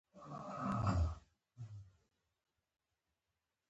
و یې ویل که څوک شکایت لري.